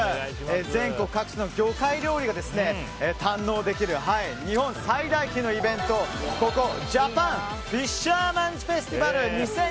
全国各地の魚介料理が堪能できる日本最大級のイベントジャパンフィッシャーマンズフェスティバル２０２２。